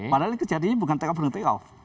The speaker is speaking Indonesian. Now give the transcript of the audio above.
padahal ini kejadiannya bukan take off dengan take off